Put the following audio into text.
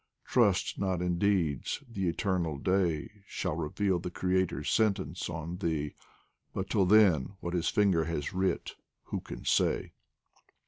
Trust not in deeds the Eternal Day Shall reveal the Creator's sentence on thee ; But till then, what His finger has writ, who can say.